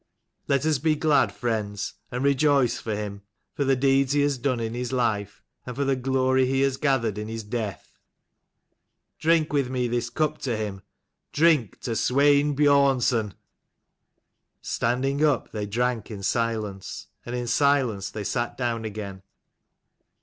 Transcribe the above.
Let us be glad, friends, and rejoice for him : for the deeds he has done in his life, and for the glory he has gathered in his death. Drink with me this cup to him : drink to Swein Biornson." Standing up, they drank in silence : and in silence they sat down again.